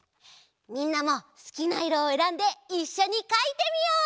みんなもすきないろをえらんでいっしょにかいてみよう！